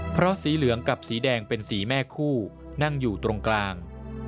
เพราะสีเหลืองกับสีแดงเป็นสีแม่คู่นั่งอยู่ตรงกลาง